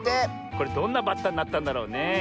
これどんなバッタになったんだろうね。